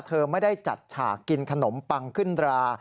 เธอไม่ได้จัดฉากกินขนมปังขึ้นรา